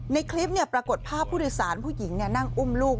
ในคลิปปรากฏภาพผู้โดยสารผู้หญิงนั่งอุ้มลูก